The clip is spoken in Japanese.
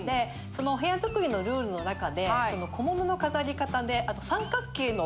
そのお部屋作りのルールの中で小物の飾り方で。